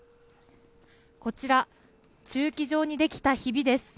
こちら、駐機場に出来たひびです。